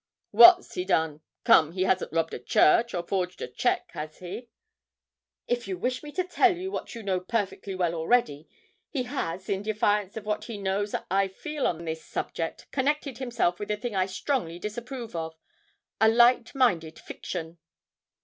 What's he done? Come, he hasn't robbed a church, or forged a cheque, has he?' 'If you wish me to tell you what you know perfectly well already, he has, in defiance of what he knows I feel on this subject, connected himself with a thing I strongly disapprove of a light minded fiction.'